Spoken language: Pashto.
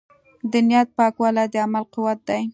د نیت پاکوالی د عمل قوت دی.